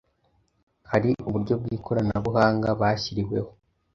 hari uburyo bw'ikoranabuhanga bashyiriweho